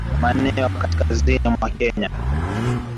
maeneo ya kaskazini mwa Kenya